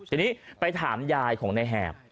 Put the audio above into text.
ทีนี้ไปถามยายของในแหบ